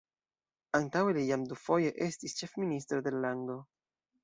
Antaŭe li jam dufoje estis ĉefministro de la lando.